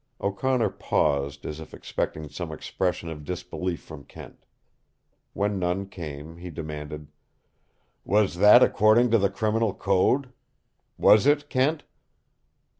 '" O'Connor paused, as if expecting some expression of disbelief from Kent. When none came, he demanded, "Was that according to the Criminal Code? Was it, Kent?"